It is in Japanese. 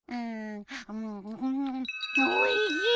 おいしい！